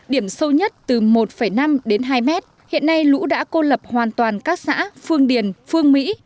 điểm sâu nhất từ một năm đến hai mét hiện nay lũ đã cô lập hoàn toàn các xã phương điền phương mỹ